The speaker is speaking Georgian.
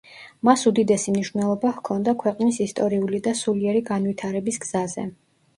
მას უდიდესი მნიშვნელობა ჰქონდა ქვეყნის ისტორიული და სულიერი განვითარების გზაზე.